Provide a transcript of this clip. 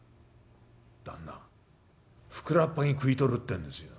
「旦那ふくらっぱぎ食い取るってんですよ。